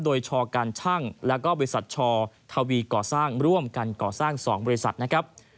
โดยชอการชั่งแล้วก็บริษัทชทวีก่อสร้างร่วมกันก่อสร้าง๒บริษัทนะครับ